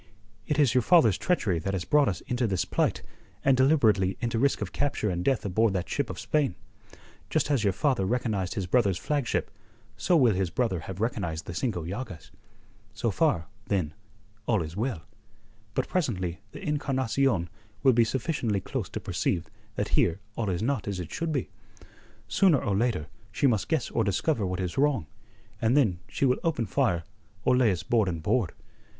"It is your father's treachery that has brought us into this plight and deliberately into risk of capture and death aboard that ship of Spain. Just as your father recognized his brother's flagship, so will his brother have recognized the Cinco Llagas. So far, then, all is well. But presently the Encarnacion will be sufficiently close to perceive that here all is not as it should be. Sooner or later, she must guess or discover what is wrong, and then she will open fire or lay us board and board.